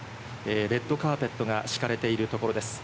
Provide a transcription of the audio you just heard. レッドカーペットが敷かれているところです。